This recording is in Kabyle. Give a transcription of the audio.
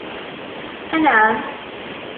Anɛam?